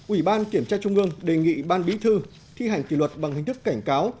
một mươi hai ủy ban kiểm tra trung ương đề nghị ban bí thư thi hành kỷ luật bằng hình thức cảnh cáo